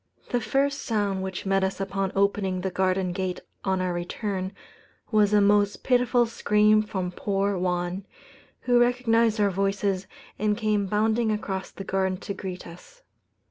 The first sound which met us upon opening the garden gate on our return, was a most pitiful scream from poor Juan, who recognized our voices and came bounding across the garden to greet us.